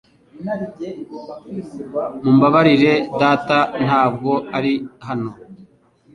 Mumbabarire, data ntabwo ari hano .